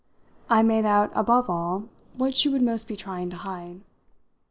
I made out above all what she would most be trying to hide.